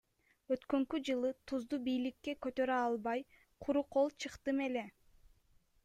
Өткөнкү жылы тузду бийикке көтөрө албай, куру кол чыктым эле.